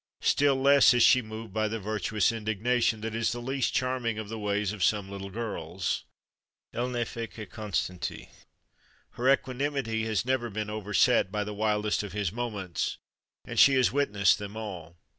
Still less is she moved by the virtuous indignation that is the least charming of the ways of some little girls. Elle ne fait que constater. Her equanimity has never been overset by the wildest of his moments, and she has witnessed them all.